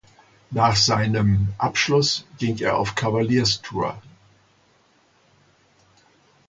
Nach seinen Abschluss ging er auf Kavalierstour.